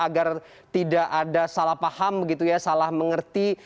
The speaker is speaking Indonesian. agar tidak ada salah paham salah mengerti